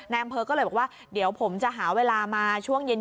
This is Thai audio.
อำเภอก็เลยบอกว่าเดี๋ยวผมจะหาเวลามาช่วงเย็น